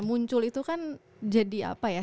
muncul itu kan jadi apa ya